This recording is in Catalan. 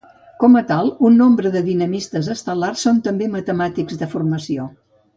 Com a tal, un nombre de dinamistes estel·lars són també matemàtics de formació.